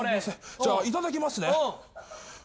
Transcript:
じゃあいただきますね。